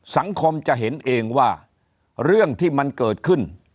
สังคมจะเห็นเองว่าเรื่องที่มันเกิดขึ้น